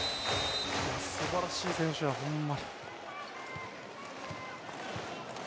すばらしい選手だ、ほんま。